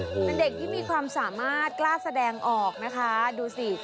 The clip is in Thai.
เป็นเด็กที่มีความสามารถกล้าแสดงออกนะคะดูสิ